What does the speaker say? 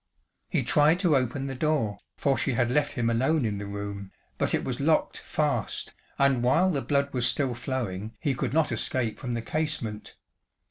He tried to open the door, for she had left him alone in the room, but it was locked fast, and while the blood was still flowing he could not escape from the casement.